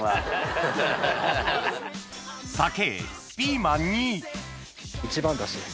酒ピーマンに一番だしです。